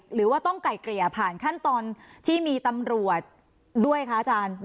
หรือว่าต้องไก่เกลี่ยผ่านขั้นตอนที่มีตำรวจด้วยคะอาจารย์